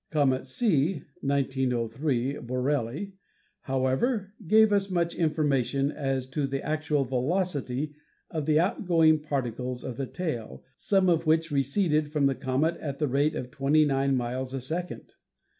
Comet C, 1903 (Borrelly), however, gave us much infor mation as to the actual velocity of the outgoing particles of the tail, some of which receded from the comet at the rate of 29 miles a second.